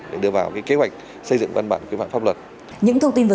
để đưa vào kế hoạch xây dựng văn bản quy phạm pháp luật